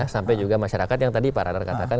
sampai juga masyarakat yang tadi para nargat katakan